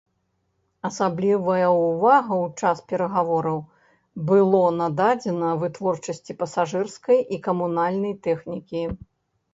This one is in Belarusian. Асаблівая ўвага ў час перагавораў было нададзена вытворчасці пасажырскай і камунальнай тэхнікі.